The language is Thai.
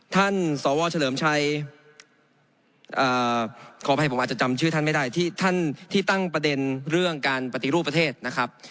สวเฉลิมชัยขออภัยผมอาจจะจำชื่อท่านไม่ได้ที่ท่านที่ตั้งประเด็นเรื่องการปฏิรูปประเทศนะครับ